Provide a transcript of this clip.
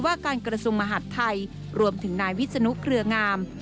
ว่าการกระทรวงมหาดไทยรวมถึงนายวิศนุเครืองาม